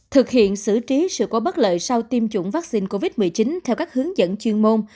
thực hiện xử trí sự cố bất lợi sau tiêm chủng vaccine covid một mươi chín theo các hướng dẫn chuyên môn